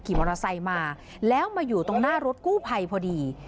มอเตอร์ไซค์มาแล้วมาอยู่ตรงหน้ารถกู้ภัยพอดี